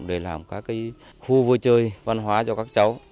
để làm các khu vui chơi văn hóa cho các cháu